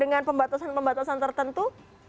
dengan pembatasan pembatasan tertentu